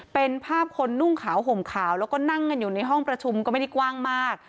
เป็นภาพคนนุ่งขาวห่มขาวแล้วก็นั่งกันอยู่ในห้องประชุมก็ไม่ได้กว้างมาก